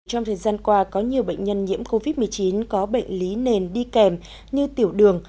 trong thời gian qua có nhiều bệnh nhân nhiễm covid một mươi chín có bệnh lý nền đi kèm như tiểu đường